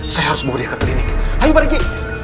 saya harus berubah ke klinik ayo pak riki